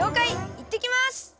いってきます！